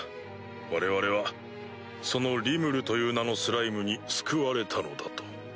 我々はそのリムルという名のスライムに救われたのだと。